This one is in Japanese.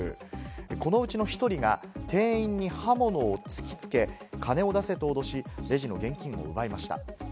このうちの１人が店員に刃物を突きつけ、金を出せと脅し、レジの現金を奪いました。